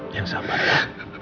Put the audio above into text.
yang sabar ya